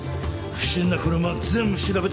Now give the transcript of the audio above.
不審な車は全部調べて特定しろ！